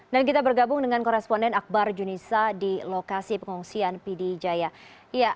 dan kita bergabung dengan koresponden akbar junissa di lokasi pengungsian pidijaya